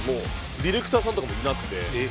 ディレクターさんとかもいなくて。